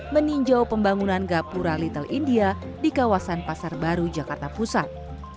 meninjau pembangunan gapura little india di kawasan pasar baru jakarta pusat